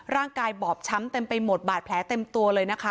บอบช้ำเต็มไปหมดบาดแผลเต็มตัวเลยนะคะ